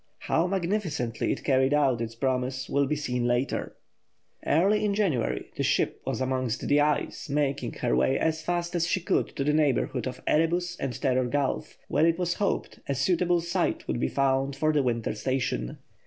How magnificently it carried out its promise will be seen later. Early in January the ship was amongst the ice, making her way as fast as she could to the neighbourhood of Erebus and Terror Gulf, where it was hoped a suitable site would be found for the winter station.